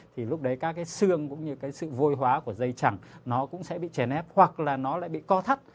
thì lúc đấy các cái xương cũng như cái sự vôi hóa của dây chẳng nó cũng sẽ bị chèn ép hoặc là nó lại bị co thắt